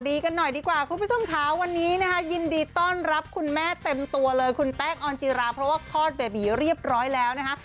กันหน่อยดีกว่าคุณผู้ชมค่ะวันนี้นะคะยินดีต้อนรับคุณแม่เต็มตัวเลยคุณแป้งออนจิราเพราะว่าคลอดเบบีเรียบร้อยแล้วนะคะ